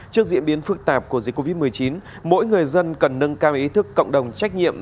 trước diễn biến phức tạp của dịch covid một mươi chín mỗi người dân cần nâng cao ý thức cộng đồng trách nhiệm